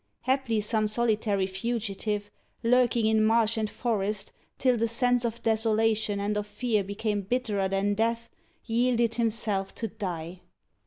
Haply some solitary fugitive, Lurking in marsh and forest, till the sense Of desolation and of fear became Bitterer than death, yielded himself to die.